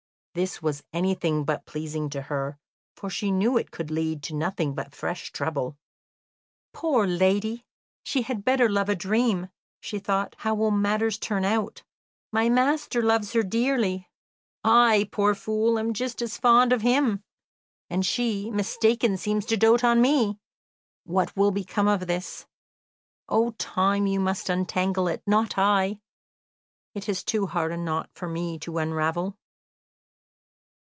This was anything but pleasing to her, for she knew it could lead to nothing but fresh trouble. "Poor lady! she had better love a dream," she thought. "How will matters turn out? My master loves her dearly; I, poor fool! am just as fond of him; and she, mistaken, seems to doat on me! What will become of this? O time, you must untangle it, not I! It is too hard a knot for me to unravel."